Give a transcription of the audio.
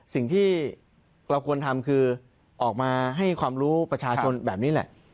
สิ่งที่เราควรทำคือออกมาให้ความรู้ประชาชนแบบนี้แหละ